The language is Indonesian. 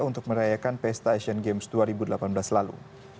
untuk merayakan pesta asian games dua ribu delapan belas lalu